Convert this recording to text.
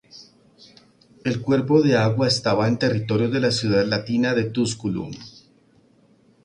El cuerpo de agua estaba en territorio de la ciudad latina de Tusculum.